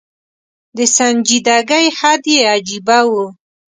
د سنجیدګۍ حد یې عجېبه و.